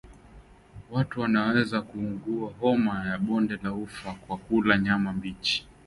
Watu wanaweza kuugua homa ya bonde la ufa kwa kula nyama mbichi